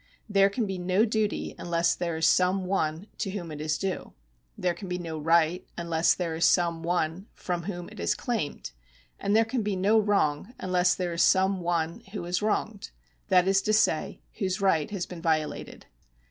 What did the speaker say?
There can be no duty unless there is some one to whom it is due ; there can be no right unless there is some one from whom it is claimed; and there can be no wrong unless there is some one who is wronged, that is to say, whose right has been violated.